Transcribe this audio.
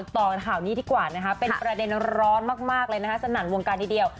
ต่อข่าวนี้ดีกว่านะคะเป็นประเด็นร้อนมากเลยนะคะสนั่นวงการทีเดียว